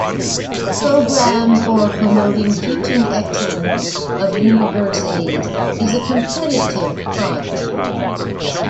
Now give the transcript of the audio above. Program for Promoting Teaching Excellence of Universities is a competitive project.